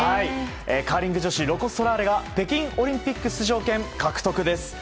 カーリング女子ロコ・ソラーレが北京オリンピック出場権獲得です。